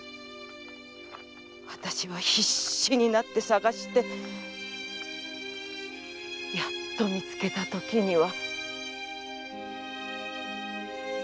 わたしは必死になって捜してやっと見つけたときには。